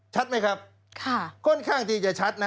ชัดไหมครับค่อนข้างที่จะชัดนะ